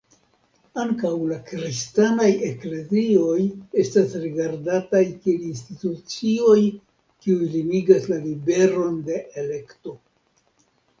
Ankaŭ la kristanaj eklezioj estas rigardataj kiel institucioj kiuj limigas la liberon de elekto.